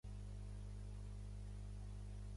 Actualment és rector de la Universitat Nazeer Hussain.